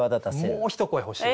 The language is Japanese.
もう一声欲しい。